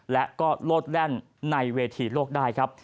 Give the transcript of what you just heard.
และก็โลดแล่นในเวทีโลกได้ครับ